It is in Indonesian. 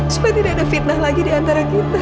supaya tidak ada fitnah lagi diantara kita